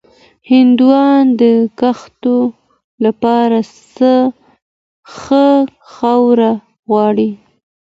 هندوانه د کښت لپاره ښه خاوره غواړي.